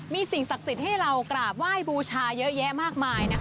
มีสิ่งศักดิ์สิทธิ์ให้เรากราบไหว้บูชาเยอะแยะมากมาย